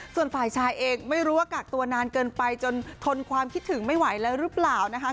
ส่วนฝ่ายชายเองไม่รู้ว่ากากตัวนานเกินไปจนทนความคิดถึงไม่ไหวแล้วหรือเปล่านะคะ